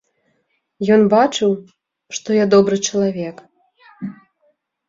Ён бачыў, што я добры чалавек.